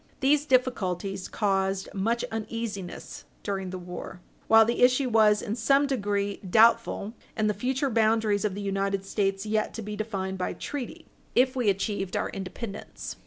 These difficulties caused much uneasiness during the war, while the issue was in some degree doubtful, and the future boundaries of the United States yet to be defined by treaty, if we achieved our independence.